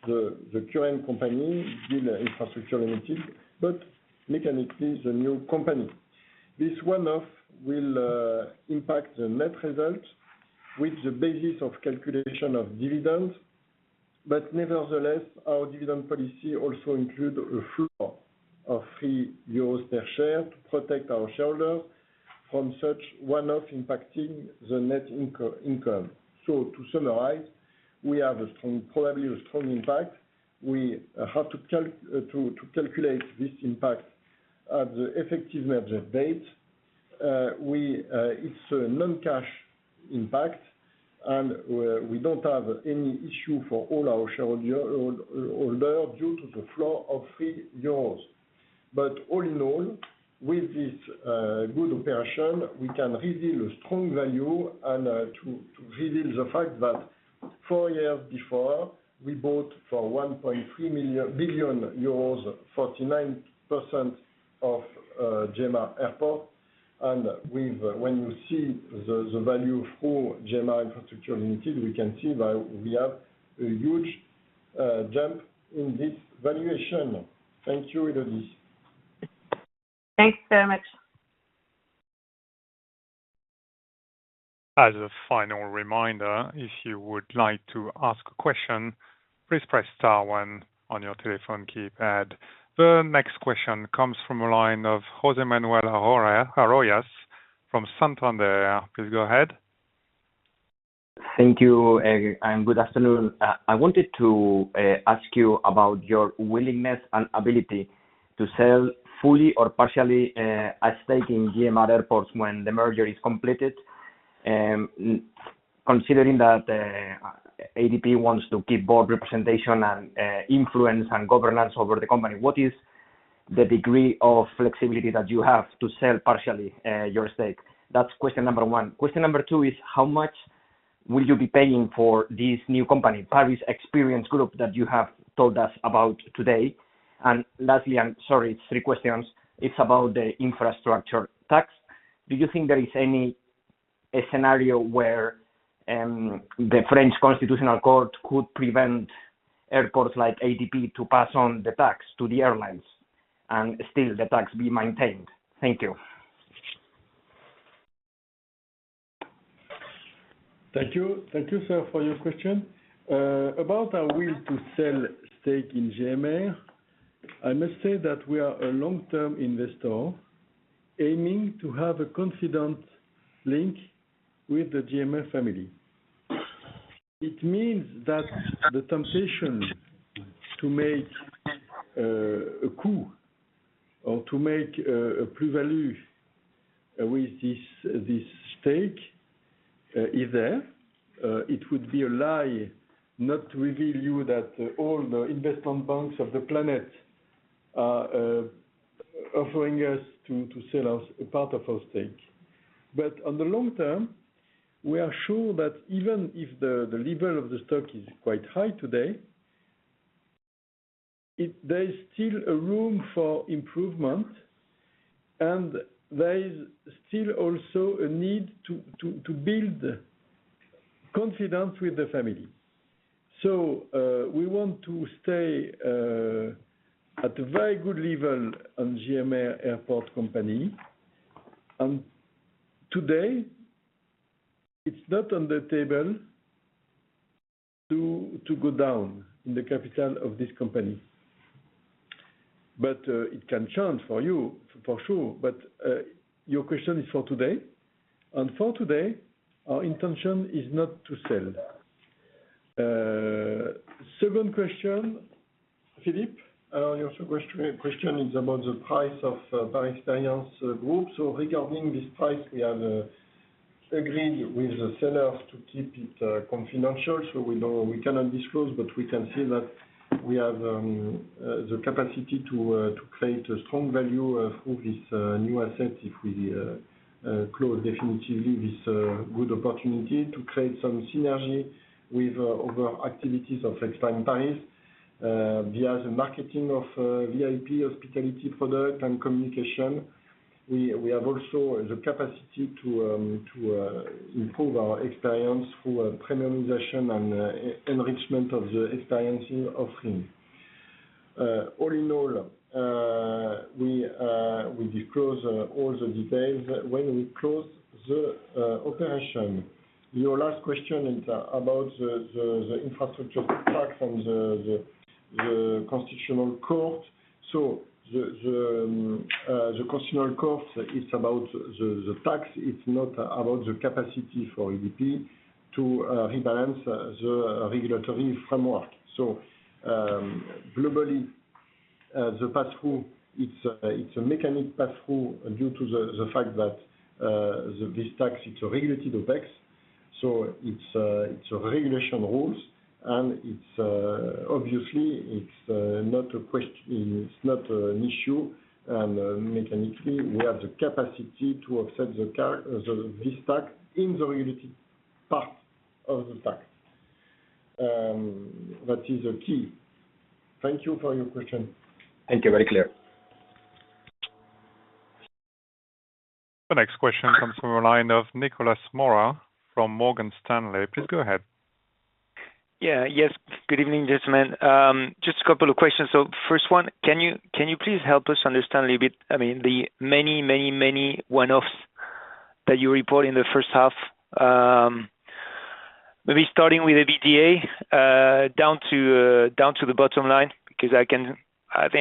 the current company, GMR Infrastructure Limited, but mechanically the new company. This one-off will impact the net result with the basis of calculation of dividends. But nevertheless, our dividend policy also includes a floor of EUR 3 per share to protect our shareholders from such one-off impacting the net income. So to summarize, we have probably a strong impact. We have to calculate this impact at the effective merger date. It's a non-cash impact, and we don't have any issue for all our shareholders due to the floor of 3 euros. But all in all, with this good operation, we can reveal a strong value and to reveal the fact that four years before, we bought for 1.3 billion euros, 49% of GMR Airport. And when you see the value for GMR Infrastructure Limited, we can see that we have a huge jump in this valuation. Thank you, Élodie. Thanks very much. As a final reminder, if you would like to ask a question, please press star one on your telephone keypad. The next question comes from a line of José Manuel Arroyas from Santander. Please go ahead. Thank you and good afternoon. I wanted to ask you about your willingness and ability to sell fully or partially a stake in GMR Airport when the merger is completed. Considering that ADP wants to keep board representation and influence and governance over the company, what is the degree of flexibility that you have to sell partially your stake? That's question number one. Question number two is, how much will you be paying for this new company, Paris Experience Group, that you have told us about today? And lastly, and sorry, three questions. It's about the infrastructure tax. Do you think there is any scenario where the French Constitutional Court could prevent airports like ADP to pass on the tax to the airlines and still the tax be maintained? Thank you. Thank you. Thank you, sir, for your question. About our will to sell stake in GMR, I must say that we are a long-term investor aiming to have a confident link with the GMR family. It means that the temptation to make a coup or to make a plus-value with this stake is there. It would be a lie not to reveal you that all the investment banks of the planet are offering us to sell a part of our stake. But on the long term, we are sure that even if the level of the stock is quite high today, there is still room for improvement, and there is still also a need to build confidence with the family. So we want to stay at a very good level on GMR Airports. And today, it's not on the table to go down in the capital of this company. But it can change for you, for sure. But your question is for today. And for today, our intention is not to sell. Second question, Philippe, your question is about the price of Paris Experience Group. So regarding this price, we have agreed with the sellers to keep it confidential. So we cannot disclose, but we can see that we have the capacity to create a strong value through this new asset if we close definitively this good opportunity to create some synergy with other activities of Extime Paris via the marketing of VIP hospitality product and communication. We have also the capacity to improve our experience through premiumization and enrichment of the experience offering. All in all, we disclose all the details when we close the operation. Your last question is about the infrastructure tax and the Constitutional Court. So the Constitutional Court is about the tax. It's not about the capacity for ADP to rebalance the regulatory framework. So globally, the pass-through, it's a mechanical pass-through due to the fact that this tax, it's a regulated OPEX. So it's regulation rules, and obviously, it's not an issue. And mechanically, we have the capacity to offset this tax in the regulated part of the tax. That is the key. Thank you for your question. Thank you. Very clear. The next question comes from a line of Nicolas Mora from Morgan Stanley. Please go ahead. Yeah. Yes. Good evening, gentlemen. Just a couple of questions. So first one, can you please help us understand a little bit, I mean, the many, many, many one-offs that you report in the first half, maybe starting with the EBITDA down to the bottom line? Because I think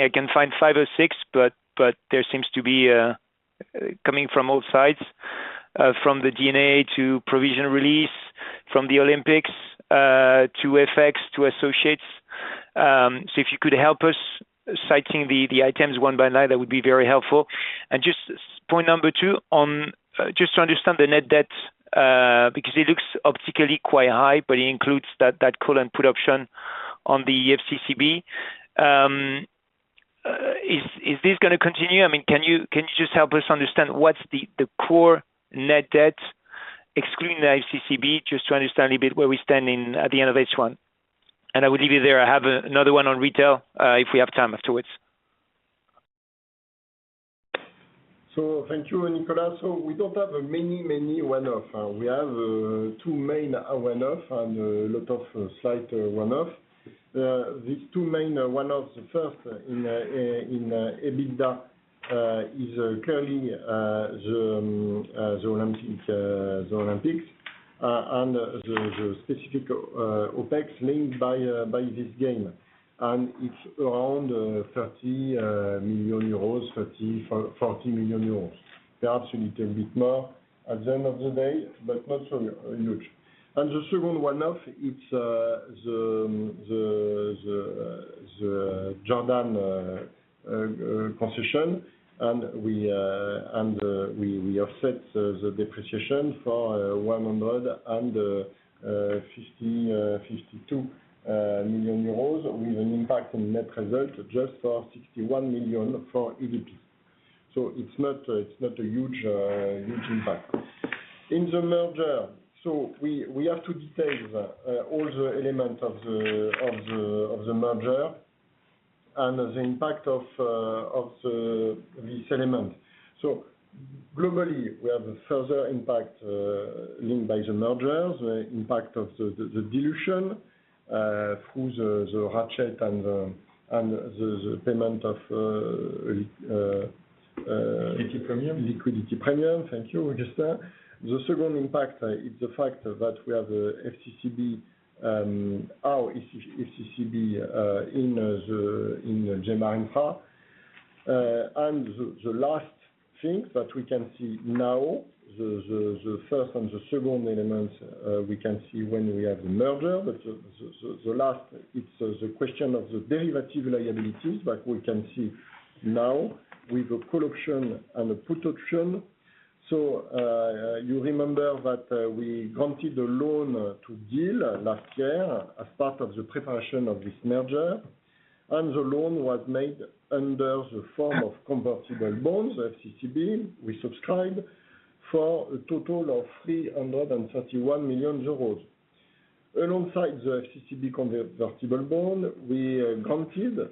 I can find five or six, but there seems to be coming from all sides, from the D&A to provision release, from the Olympics to FX to associates. So if you could help us, citing the items one by one, that would be very helpful. And just point number two, just to understand the net debt, because it looks optically quite high, but it includes that call and put option on the FCCB. Is this going to continue? I mean, can you just help us understand what's the core net debt, excluding the FCCB, just to understand a little bit where we stand at the end of each one? And I will leave it there. I have another one on retail if we have time afterwards. So thank you, Nicholas. So we don't have many, many one-offs. We have two main one-offs and a lot of slight one-offs. These two main one-offs, the first in EBITDA is clearly the Olympics, and the specific OPEX linked by the Games. It's around 30 million-40 million euros. Perhaps a little bit more at the end of the day, but not so huge. The second one-off, it's the Jordan concession. We offset the depreciation for 152 million euros with an impact in net result just for 61 million for ADP. So it's not a huge impact. In the merger, we have to detail all the elements of the merger and the impact of these elements. Globally, we have a further impact linked by the merger, the impact of the dilution through the ratchet and the payment of liquidity premium. Liquidity premium. Thank you, Augustin. The second impact, it's the fact that we have FCCB, our FCCB in GMR Infra. And the last thing that we can see now, the first and the second elements, we can see when we have the merger. But the last, it's the question of the derivative liabilities that we can see now with a call option and a put option. So you remember that we granted a loan to GIL last year as part of the preparation of this merger. And the loan was made under the form of convertible bonds, FCCB, we subscribed for a total of 331 million euros. Alongside the FCCB convertible bond, we granted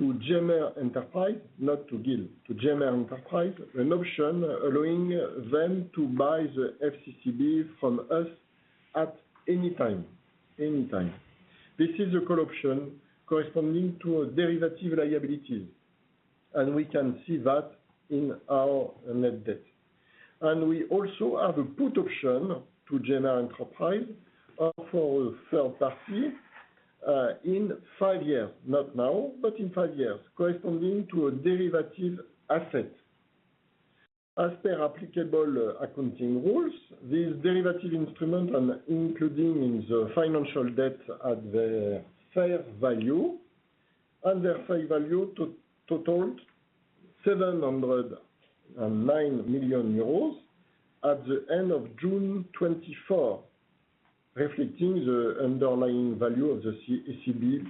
to GMR Enterprises, not to GIL, to GMR Enterprises, an option allowing them to buy the FCCB from us at any time. This is a call option corresponding to derivative liabilities. And we can see that in our net debt. We also have a put option to GMR entity for a third party in five years, not now, but in five years, corresponding to a derivative asset. As per applicable accounting rules, these derivative instruments are included in the financial debt at their fair value. Their fair value totaled 709 million euros at the end of June 2024, reflecting the underlying value of the FCCB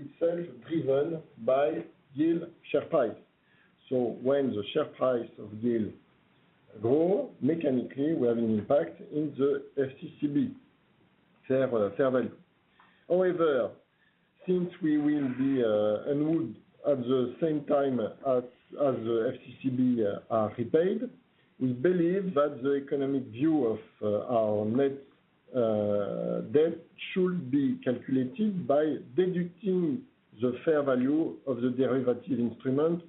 itself driven by GIL share price. So when the share price of GIL grows, mechanically, we have an impact in the FCCB fair value. However, since we will be unwound at the same time as the FCCB are repaid, we believe that the economic view of our net debt should be calculated by deducting the fair value of the derivative instrument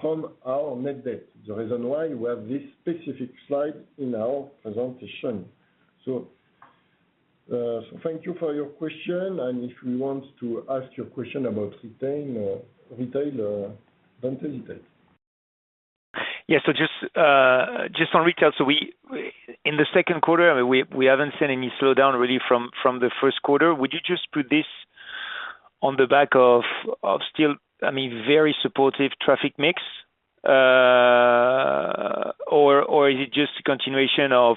from our net debt. The reason why we have this specific slide in our presentation. So thank you for your question. If you want to ask your question about retail, don't hesitate. Yeah. So just on retail, so in the second quarter, we haven't seen any slowdown really from the first quarter. Would you just put this on the back of still, I mean, very supportive traffic mix? Or is it just a continuation of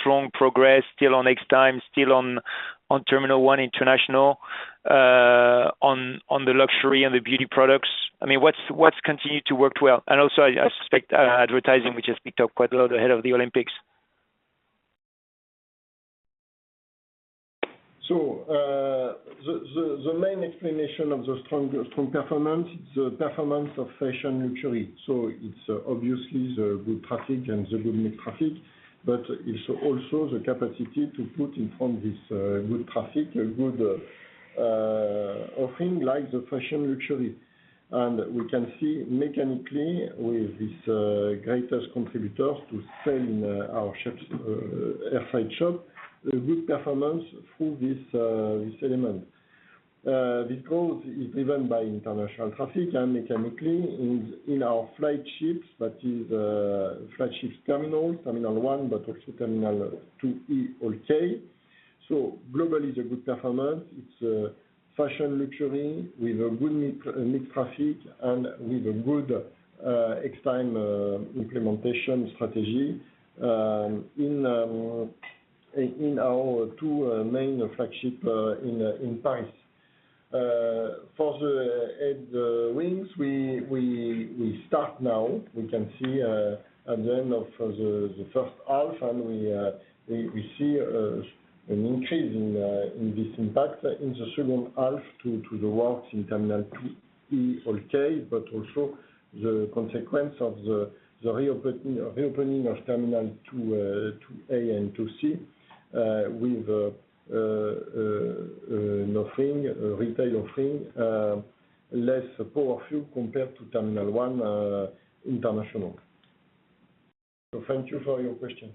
strong progress, still on Extime, still on Terminal 1 International, on the luxury and the beauty products? I mean, what's continued to work well? And also, I suspect advertising, which has picked up quite a lot ahead of the Olympics. So the main explanation of the strong performance is the performance of fashion luxury. So it's obviously the good traffic and the good mixed traffic, but it's also the capacity to put in front this good traffic, good offering like the fashion luxury. We can see mechanically with these greatest contributors to sales in our airside shops, good performance through this element. This growth is driven by international traffic and mechanically in our flagships, that is, flagships Terminal 1, but also Terminal 2E and 2G. So globally, it's a good performance. It's fashion luxury with a good mixed traffic and with a good expansion implementation strategy in our two main flagships in Paris. For the headwinds, we start now. We can see at the end of the first half, and we see an increase in this impact in the second half due to the works in Terminal 2E and 2G, but also the consequence of the reopening of Terminal 2A and 2C with an offering, retail offering, less powerful compared to Terminal 1 International. So thank you for your question.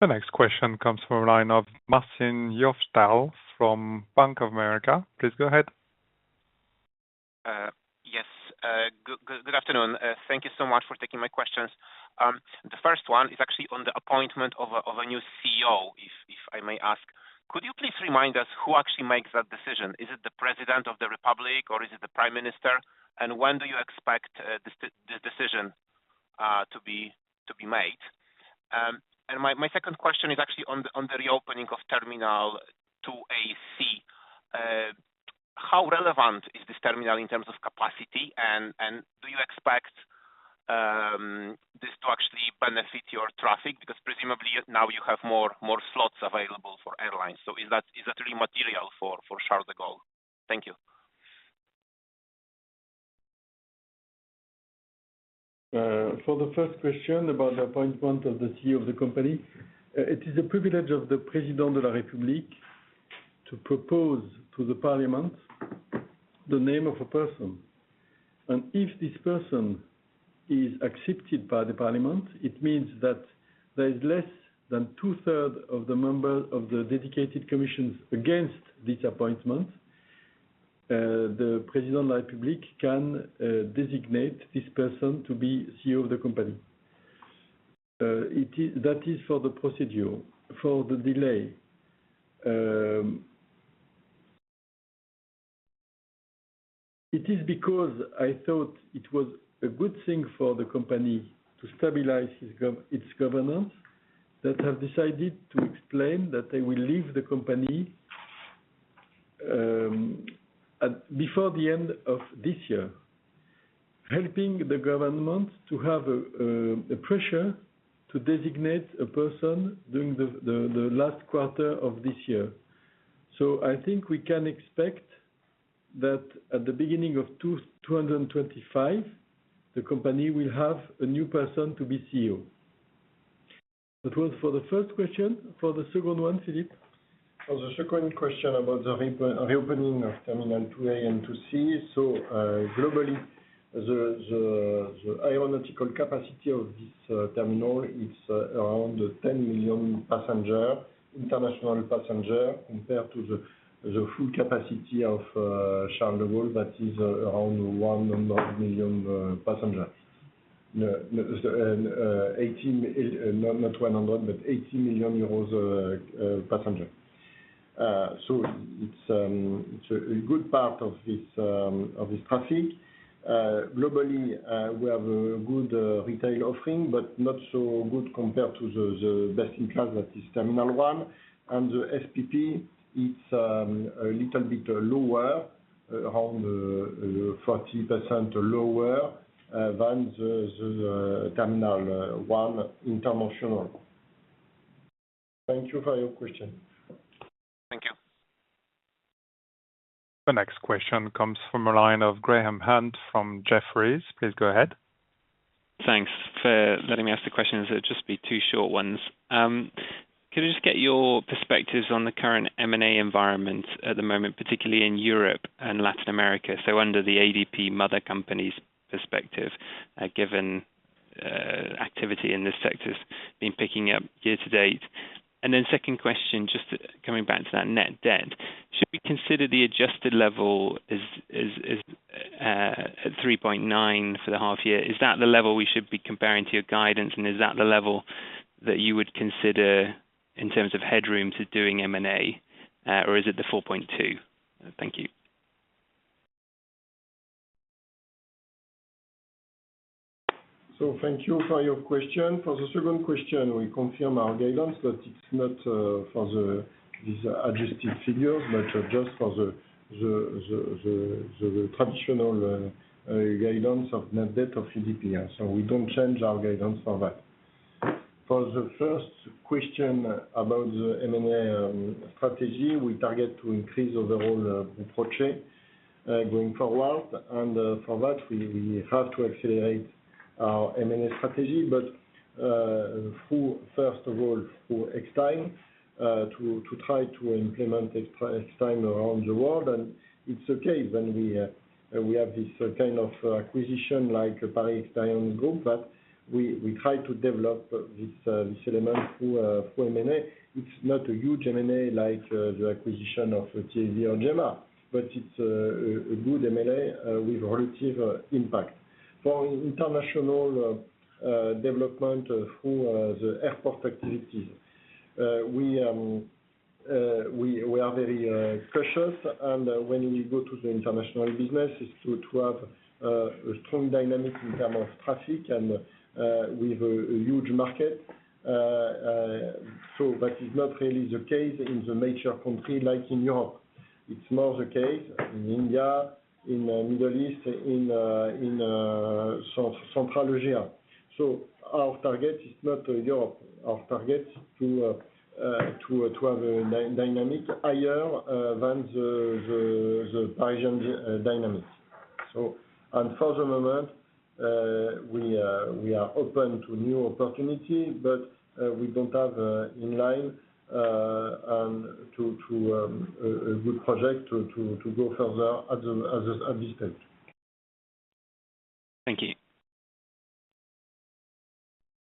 The next question comes from a line of Marcin Wojtal from Bank of America. Please go ahead. Yes. Good afternoon. Thank you so much for taking my questions. The first one is actually on the appointment of a new CEO, if I may ask. Could you please remind us who actually makes that decision? Is it the President of the Republic, or is it the Prime Minister? And when do you expect this decision to be made? And my second question is actually on the reopening of Terminal 2AC. How relevant is this terminal in terms of capacity? And do you expect this to actually benefit your traffic? Because presumably now you have more slots available for airlines. So is that really material for Charles de Gaulle? Thank you. For the first question about the appointment of the CEO of the company, it is a privilege of the Président de la République to propose to the Parliament the name of a person. If this person is accepted by the Parliament, it means that there is less than two-thirds of the members of the dedicated commissions against this appointment. The Président de la République can designate this person to be CEO of the company. That is for the procedure, for the delay. It is because I thought it was a good thing for the company to stabilize its governance that have decided to explain that they will leave the company before the end of this year, helping the government to have a pressure to designate a person during the last quarter of this year. So I think we can expect that at the beginning of 2025, the company will have a new person to be CEO. That was for the first question. For the second one, Philippe? For the second question about the reopening of Terminal 2A and 2C, so globally, the aeronautical capacity of this terminal is around 10 million international passengers compared to the full capacity of Charles de Gaulle that is around 100 million passengers. Not 100, but 80 million passengers. So it's a good part of this traffic. Globally, we have a good retail offering, but not so good compared to the best in class that is Terminal 1. And the SPP, it's a little bit lower, around 40% lower than the Terminal 1 International. Thank you for your question. Thank you. The next question comes from a line of Graham Hunt from Jefferies. Please go ahead. Thanks for letting me ask the question. It'll just be two short ones. Could I just get your perspectives on the current M&A environment at the moment, particularly in Europe and Latin America? So under the ADP mother company's perspective, given activity in this sector's been picking up year to date. And then second question, just coming back to that net debt, should we consider the adjusted level at 3.9 for the half year? Is that the level we should be comparing to your guidance? And is that the level that you would consider in terms of headroom to doing M&A? Or is it the 4.2? Thank you. So thank you for your question. For the second question, we confirm our guidance that it's not for these adjusted figures, but just for the traditional guidance of net debt of ADP. So we don't change our guidance for that. For the first question about the M&A strategy, we target to increase overall approach going forward. For that, we have to accelerate our M&A strategy, but first of all, through Extime, to try to implement Extime around the world. It's okay when we have this kind of acquisition like Paris Experience Group that we try to develop this element through M&A. It's not a huge M&A like the acquisition of TAV or GMR, but it's a good M&A with relative impact. For international development through the airport activities, we are very cautious. When we go to the international business, it's to have a strong dynamic in terms of traffic and with a huge market. That is not really the case in the major country like in Europe. It's more the case in India, in the Middle East, in Central Asia. Our target is not Europe. Our target is to have a dynamic higher than the Parisian dynamic. For the moment, we are open to new opportunities, but we don't have in line to a good project to go further at this stage. Thank you.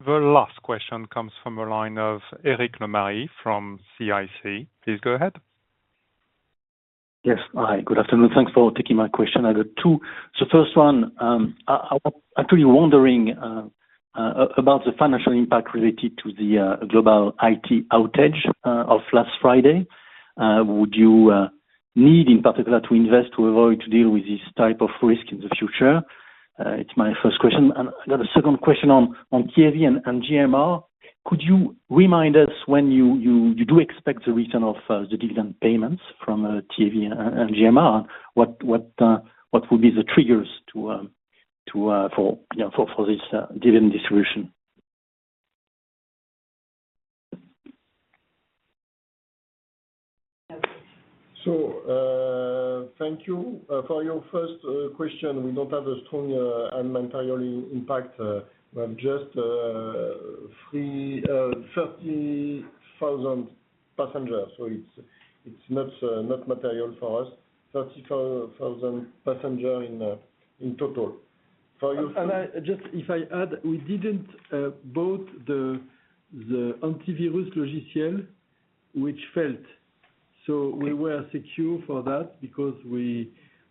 The last question comes from a line of Éric Lemarié from CIC. Please go ahead. Yes. Hi. Good afternoon. Thanks for taking my question. I got two. So first one, I'm actually wondering about the financial impact related to the global IT outage of last Friday. Would you need, in particular, to invest to avoid to deal with this type of risk in the future? It's my first question. And the second question on TAV and GMR, could you remind us when you do expect the return of the dividend payments from TAV and GMR? What would be the triggers for this dividend distribution? So thank you for your first question. We don't have a strong and material impact. We have just 30,000 passengers. So it's not material for us. 30,000 passengers in total. And just if I add, we didn't bought the antivirus logiciel, which failed. So we were secure for that because we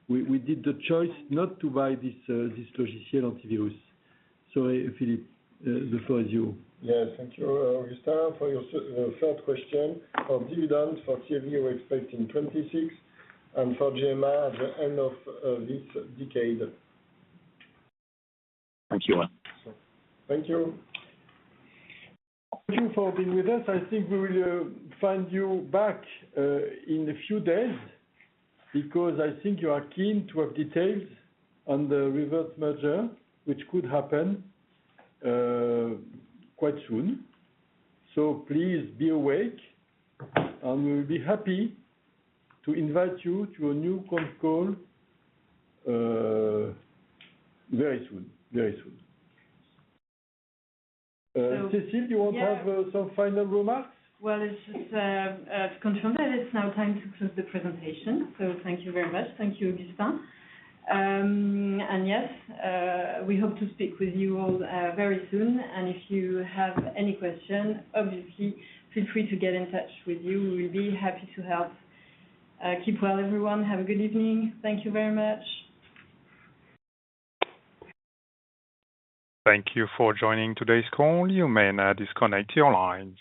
did the choice not to buy this logiciel antivirus. So Philippe, the floor is you. Yeah. Thank you, Augustin, for your third question. For dividend for TAV, we're expecting 26. And for GMR, at the end of this decade. Thank you. Thank you. Thank you for being with us. I think we will find you back in a few days because I think you are keen to have details on the reverse merger, which could happen quite soon. So please be awake. And we will be happy to invite you to a new conference call very soon. Very soon. Cécile, you want to have some final remarks? Well, it's just to confirm that it's now time to close the presentation. So thank you very much. Thank you, Augustin. And yes, we hope to speak with you all very soon. And if you have any question, obviously, feel free to get in touch with you. We'll be happy to help. Keep well, everyone. Have a good evening. Thank you very much. Thank you for joining today's call. You may now disconnect your lines.